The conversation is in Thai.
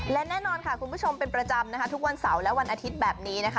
และแน่นอนค่ะคุณผู้ชมเป็นประจำนะคะทุกวันเสาร์และวันอาทิตย์แบบนี้นะคะ